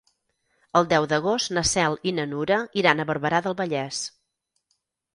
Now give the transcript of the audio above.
El deu d'agost na Cel i na Nura iran a Barberà del Vallès.